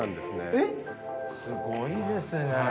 すごいですね。